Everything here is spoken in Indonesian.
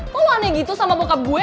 kok aneh gitu sama bokap gue